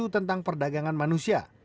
tentang perdagangan manusia